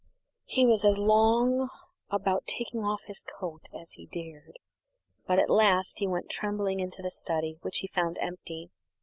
He was as long about taking off his coat as he dared, but at last he went trembling into the study, which he found empty.